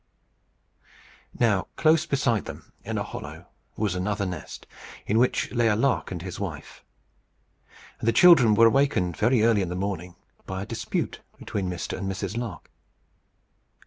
Now, close beside them, in a hollow, was another nest, in which lay a lark and his wife; and the children were awakened, very early in the morning, by a dispute between Mr. and Mrs. Lark.